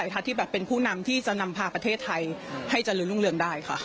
ที่แบบเป็นผู้นำที่จะนำพาประเทศไทยให้เจริญรุ่งเรืองได้ค่ะ